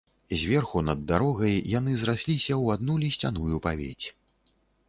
Зверху, над дарогай, яны зрасліся ў адну лісцяную павець.